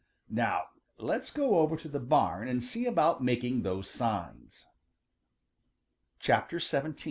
Now let's go over to the barn and see about making those signs." XVIII.